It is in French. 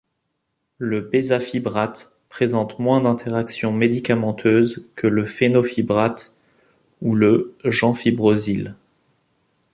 Le bézafibrate présente moins d’interactions médicamenteuses que le fénofibrate ou le gemfibrozil.